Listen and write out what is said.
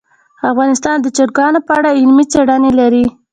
افغانستان د چرګان په اړه علمي څېړنې لري.